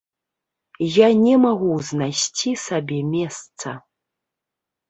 Я не магу знайсці сабе месца.